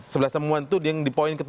sebelas temuan itu yang di poin ke tujuh ya